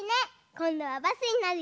こんどはバスになるよ！